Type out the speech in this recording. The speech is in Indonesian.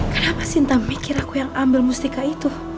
kenapa sinta mikir aku yang ambil mustika itu